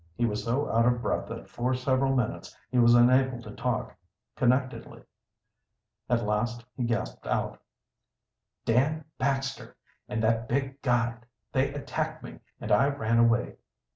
He was so out of breath that for several minutes he was unable to talk connectedly. At last he gasped out: "Dan Baxter and that big guide they attacked me and I ran away.